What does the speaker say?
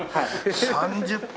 ３０分